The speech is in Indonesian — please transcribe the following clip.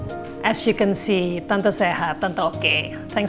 seperti yang kamu lihat tante sehat tante oke terima kasih udah tanya